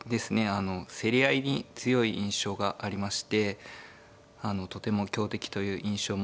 あの競り合いに強い印象がありましてあのとても強敵という印象を持っています。